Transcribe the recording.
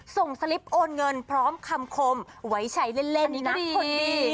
สลิปโอนเงินพร้อมคำคมไว้ใช้เล่นนะคนนี้